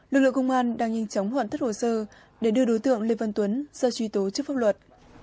lực lượng công an đang nhanh chóng hoạn thất hồ sơ để đưa đối tượng lê văn tuấn do truy tố trước pháp luật